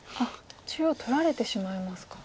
中央取られてしまいますか。